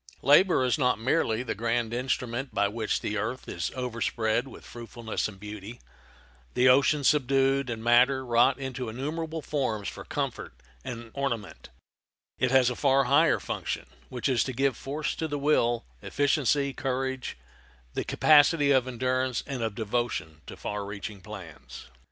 Labor is not merely the grand instrument by which the earth is overspread with fruitfulness and beauty, the ocean subdued, and matter wrought into innumerable forms for comfort and ornament; it has a far higher function, which is to give force to the will, efficiency, courage, the capacity of endurance and of devotion to far reaching plans.